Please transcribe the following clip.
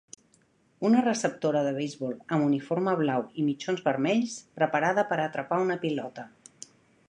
Una receptora de beisbol amb uniforme blau i mitjons vermells, preparada per atrapar una pilota.